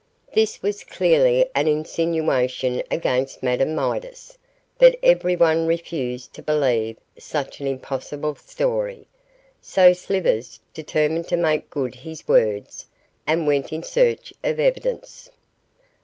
This was clearly an insinuation against Madame Midas, but everyone refused to believe such an impossible story, so Slivers determined to make good his words, and went in search of evidence.